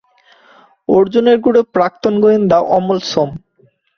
অর্জুনের গুরু প্রাক্তন গোয়েন্দা অমল সোম।